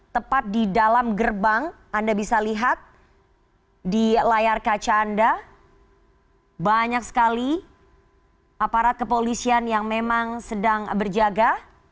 tepat di dalam gerbang anda bisa lihat di layar kaca anda banyak sekali aparat kepolisian yang memang sedang berjaga